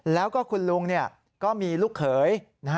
แล้วก็คุณลุงก็มีลูกเขย